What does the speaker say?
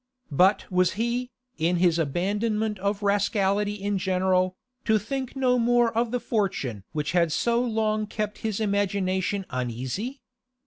But was he, in his abandonment of rascality in general, to think no more of the fortune which had so long kept his imagination uneasy?